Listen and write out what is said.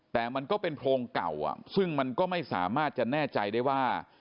แต่มันก็เป็นโพรงเก่าซึ่งมันก็ไม่สามารถจะแน่ใจได้ว่า